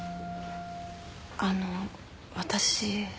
あの私。